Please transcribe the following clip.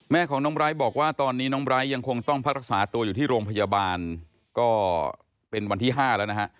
แม่ของน้องไร้บอกว่าตอนนี้น้องไบร์ทยังคงต้องพักรักษาตัวอยู่ที่โรงพยาบาลก็เป็นวันที่๕แล้วนะฮะ